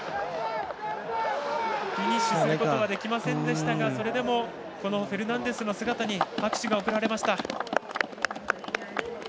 フィニッシュすることはできませんでしたがそれでもフェルナンデスの姿に拍手が送られました。